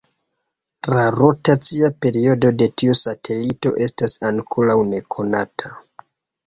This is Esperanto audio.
La rotacia periodo de tiu satelito estas ankoraŭ nekonata.